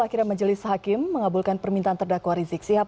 akhirnya majelis hakim mengabulkan permintaan terdakwa rizik sihab